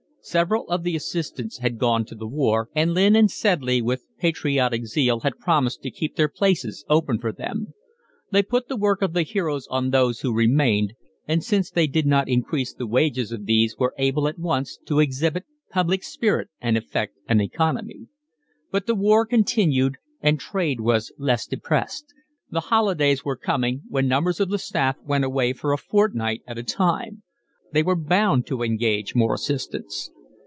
Several of the assistants had gone to the war, and Lynn and Sedley with patriotic zeal had promised to keep their places open for them. They put the work of the heroes on those who remained, and since they did not increase the wages of these were able at once to exhibit public spirit and effect an economy; but the war continued and trade was less depressed; the holidays were coming, when numbers of the staff went away for a fortnight at a time: they were bound to engage more assistants.